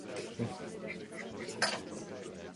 Svátek slaví Jindřiška a Rozálie.